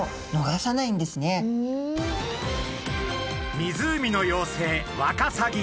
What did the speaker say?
湖の妖精ワカサギ。